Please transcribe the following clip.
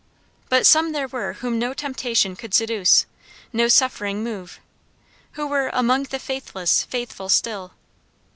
But some there were whom no temptation could seduce, no suffering move; who were 'Among the faithless faithful still.'